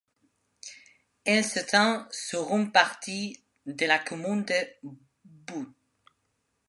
Elle s'étend sur une partie de la commune de Boutx.